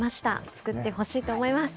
作ってほしいと思います。